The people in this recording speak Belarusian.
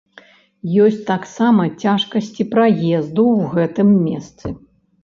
Ёсць таксама цяжкасці праезду ў гэтым месцы.